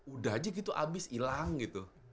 udah aja gitu abis hilang gitu